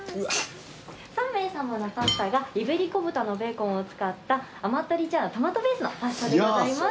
３名さまのパスタがイベリコ豚のベーコンを使ったアマトリチャーナトマトベースのパスタでございます。